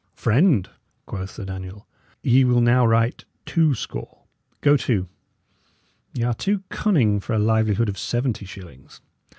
"Friend," quoth Sir Daniel, "ye will now write two score. Go to! y' are too cunning for a livelihood of seventy shillings.